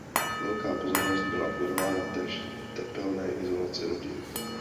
Velká pozornost byla věnována též tepelné izolaci lodi.